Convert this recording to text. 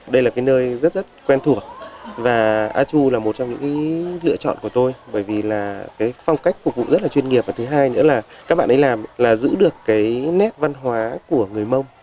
đây là cái nơi rất rất quen thuộc và a chu là một trong những lựa chọn của tôi bởi vì là cái phong cách phục vụ rất là chuyên nghiệp và thứ hai nữa là các bạn ấy làm là giữ được cái nét văn hóa của người mông